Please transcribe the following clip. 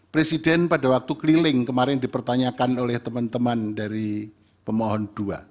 presiden pada waktu keliling kemarin dipertanyakan oleh teman teman dari pemohon dua